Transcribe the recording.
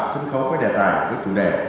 sân khấu với đề tài với chủ đề